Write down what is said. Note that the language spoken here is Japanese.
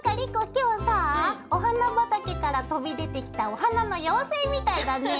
今日さあお花畑から飛び出てきたお花の妖精みたいだね。